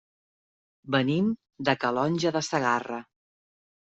Venim de Calonge de Segarra.